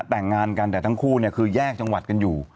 แต่งงานกันแต่ทั้งคู่เนี่ยคือแยกจังหวัดกันอยู่